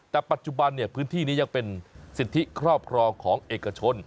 แต่ปัจจุบันพื้นที่นี้ยังเป็นสิทธิครอบครองของเอกชน